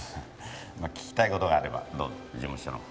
まあ聞きたい事があればどうぞ事務所の方へ。